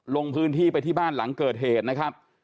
ลงพื้นที่ไปที่บ้านหลังเกิดเหตุนะครับ